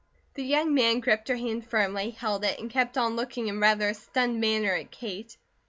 The young man gripped her hand firmly, held it, and kept on looking in rather a stunned manner at Kate.